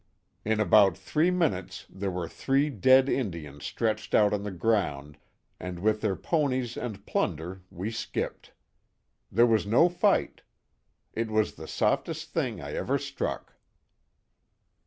"In about three minutes there were three dead Indians stretched out on the ground, and with their ponies and plunder we skipped. There was no fight. It was the softest thing I ever struck."